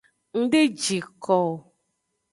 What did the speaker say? Ng de ji ko o.